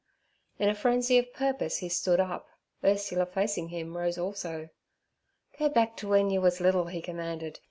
In a frenzy of purpose he stood up. Ursula, facing him, rose also. 'Go back t' wen yer wuz liddle' he commanded.